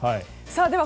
では